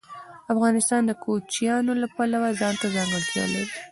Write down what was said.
افغانستان د کوچیان د پلوه ځانته ځانګړتیا لري.